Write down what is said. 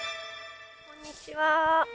こんにちは。